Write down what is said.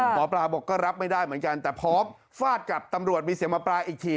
หมอปลาบอกก็รับไม่ได้เหมือนกันแต่พร้อมฟาดกับตำรวจมีเสียงหมอปลาอีกที